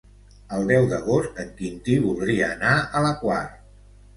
El deu d'agost en Quintí voldria anar a la Quar.